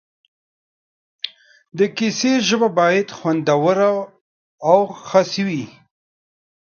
د کیسې ژبه باید خوندوره او حسي وي.